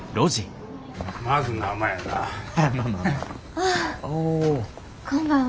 ああこんばんは。